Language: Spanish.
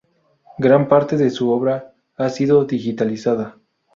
Gran parte de su obra ha sido digitalizada.